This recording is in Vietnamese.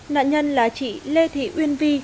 nạn nhân là chị lê thị uyên vi